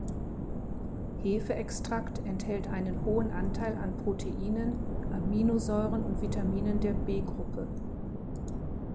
Hefeextrakt enthält einen hohen Anteil an Proteinen, Aminosäuren und Vitaminen der B-Gruppe.